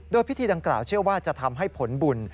โดยพิธีดังกล่าวเชื่อว่าจะทำให้ผลบุญ